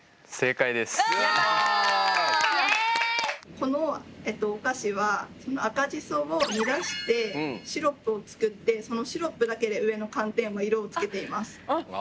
このお菓子は赤じそを煮出してシロップを作ってそのシロップだけで上の寒天の色を付けています。